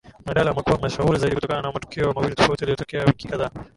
Mjadala umekuwa mashuhuri zaidi kutokana na matukio mawili tofauti yaliyotokea wiki kadhaa